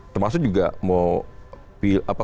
termasuk juga mau